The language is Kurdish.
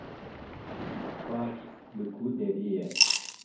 Parîs li ku derê ye?